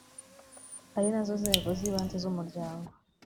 ari nazo nzego zibanze z umuryango